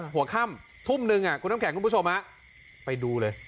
หัวข้ำทุ่มหนึ่งอ่ะคุณทำแขกคุณผู้ชมฮะไปดูเลย